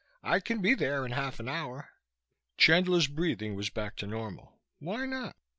I can be there in half an hour." Chandler's breathing was back to normal. Why not?